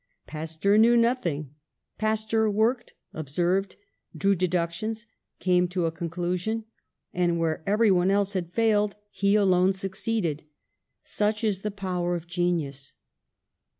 Pasteur knew nothing, Pasteur worked, observed, drew deduc tions, came to a conclusion — and, where every one else had failed, he alone succeeded! Such is the power of genius.